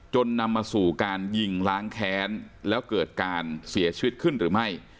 นำมาสู่การยิงล้างแค้นแล้วเกิดการเสียชีวิตขึ้นหรือไม่